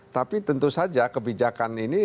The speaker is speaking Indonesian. tapi tentu saja kebijakan ini